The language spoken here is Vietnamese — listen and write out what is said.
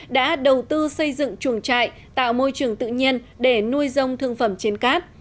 đã đầu tư xây dựng chuồng trại tạo môi trường tự nhiên để nuôi dâm thương phẩm trên cát